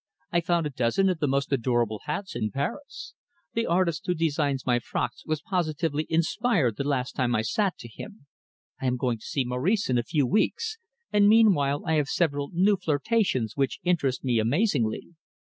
I found a dozen of the most adorable hats in Paris. The artist who designs my frocks was positively inspired the last time I sat to him. I am going to see Maurice in a few weeks, and meanwhile I have several new flirtations which interest me amazingly.